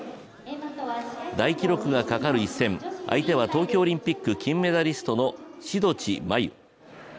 大記録がかかる１戦、相手は東京オリンピック金メダリストの志土地真優。